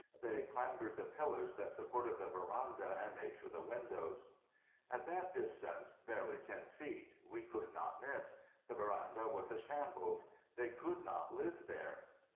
They clambered the pillars that supported the veranda and made for the windows. At that distance, barely ten feet, we could not miss. The veranda was a shambles. They could not live there.